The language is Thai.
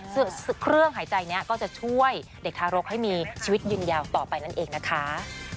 ซึ่งเครื่องหายใจนี้ก็จะช่วยเด็กทารกให้มีชีวิตยืนยาวต่อไปนั่นเองนะคะ